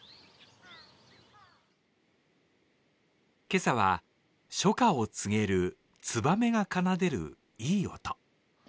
今朝は初夏を告げるつばめが奏でるいい音。